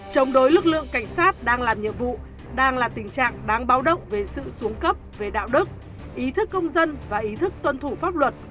chống đối lực lượng cảnh sát đang làm nhiệm vụ đang là tình trạng đáng báo động về sự xuống cấp về đạo đức ý thức công dân và ý thức tuân thủ pháp luật